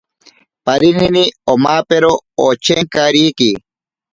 Parinini omapero ochenkariki.